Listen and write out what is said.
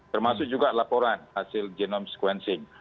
termasuk juga laporan hasil genome sequencing